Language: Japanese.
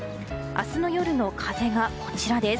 明日の夜の風がこちらです。